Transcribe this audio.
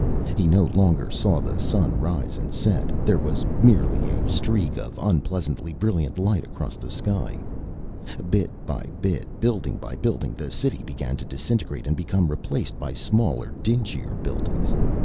He no longer saw the sun rise and set. There was merely a streak of unpleasantly brilliant light across the sky. Bit by bit, building by building, the city began to disintegrate and become replaced by smaller, dingier buildings.